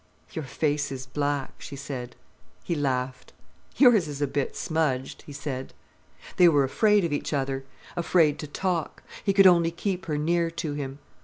"Your face is black," she said. He laughed. "Yours is a bit smudged," he said. They were afraid of each other, afraid to talk. He could only keep her near to him.